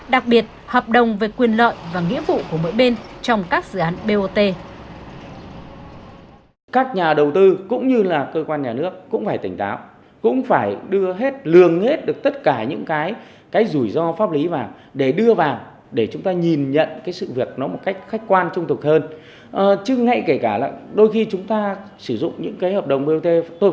đặc biệt hợp đồng về quyền lợi và nghĩa vụ của mỗi bên trong các dự án bot